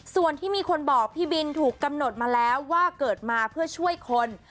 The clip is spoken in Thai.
ส่วนที่มีคนบอกพี่บินถูกกำหนดมาแล้วว่าเกิดมาเพื่อช่วยคน